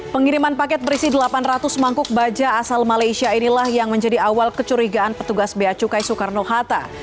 pengiriman paket berisi delapan ratus mangkuk baja asal malaysia inilah yang menjadi awal kecurigaan petugas bacukai soekarno hatta